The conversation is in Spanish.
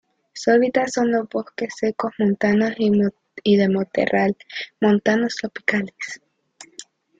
Su hábitat son los bosques secos montanos y de matorral montanos tropicales.